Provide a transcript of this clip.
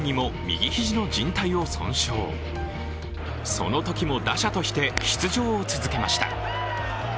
そのときも打者として出場を続けました。